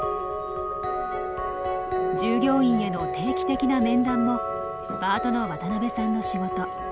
従業員への定期的な面談もパートの渡邊さんの仕事。